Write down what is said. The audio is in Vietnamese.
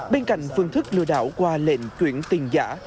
bên cạnh phương thức lừa đảo qua lệnh chuyển tiền giả